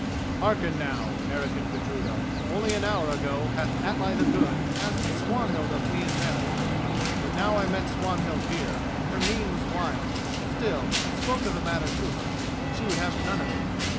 "Hearken now, Eric and Gudruda: only an hour ago hath Atli the Good asked Swanhild of me in marriage. But now I met Swanhild here, and her mien was wild. Still, I spoke of the matter to her, and she would have none of it.